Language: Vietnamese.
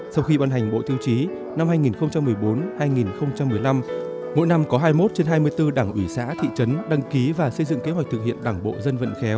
sau khi ban hành bộ tiêu chí năm hai nghìn một mươi bốn hai nghìn một mươi năm mỗi năm có hai mươi một trên hai mươi bốn đảng ủy xã thị trấn đăng ký và xây dựng kế hoạch thực hiện đảng bộ dân vận khéo